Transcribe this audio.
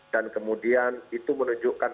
dan kemudian itu menunjukkan